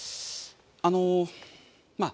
あのまあ